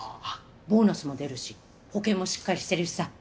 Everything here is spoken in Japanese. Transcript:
ボーナスも出るし保険もしっかりしてるしさ。